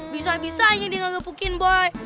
bisa bisanya dia gak ngekepukin boy